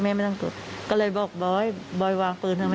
แม่ต้องผมก็เลยบอกออกโบ๊ยวางปืนคือไหม